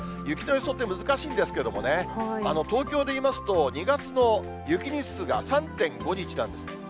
雪の予想って難しいんですけどもね、東京でいいますと、２月の雪日数が３．５日なんです。